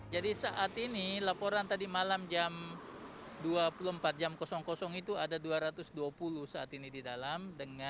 jadi saat ini laporan tadi malam jam dua puluh empat jam kosong kosong itu ada dua ratus dua puluh saat ini di dalam